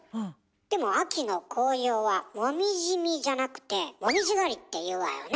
でも秋の紅葉は「もみじ見」じゃなくて「もみじ狩り」って言うわよね。